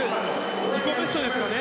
自己ベストですね。